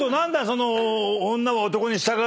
その。